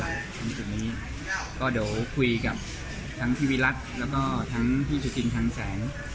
ก็เดี๋ยวคุยกับทั้งที่วิลักษณ์บริษัทและที่สุจรรย์ทางแสง